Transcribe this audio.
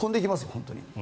本当に。